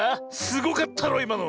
すごかったろいまの。